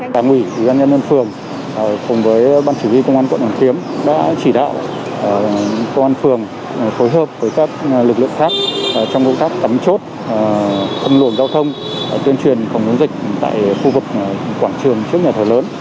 tuyên truyền phòng chống dịch tại khu vực quảng trường trước nhà thờ lớn